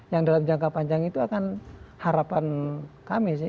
yang dalam jangka panjang itu akan harapan kami sih